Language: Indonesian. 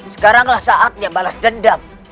sekaranglah saatnya balas dendam